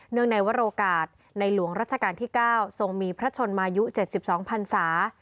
เนื่องในวัตถ์โรกาสในหลวงราชการที่๙ทรงมีพระชนมายุ๗๒พันศา